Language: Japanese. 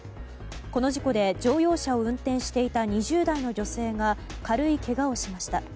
この事故で乗用車を運転していた２０代の女性が軽いけがをしました。